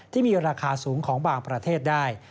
ที่มีราคาสูงของบางประเทศได้